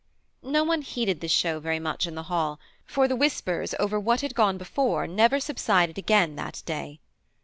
No one heeded this show very much in the hall, for the whispers over what had gone before never subsided again that day.